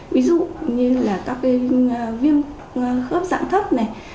ví dụ như là các cái viêm khớp dạng thấp này